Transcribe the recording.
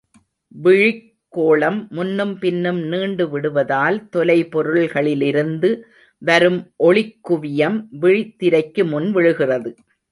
விழிக்கோளம் முன்னும் பின்னும் நீண்டு விடுவதால் தொலைபொருள்களிலிருந்து வரும் ஒளிக்குவியம் விழித் திரைக்கு முன் விழுகிறது.